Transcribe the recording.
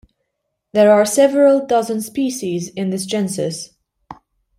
There are several dozen species in this genus.